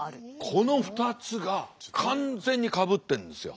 この２つが完全にかぶってるんですよ。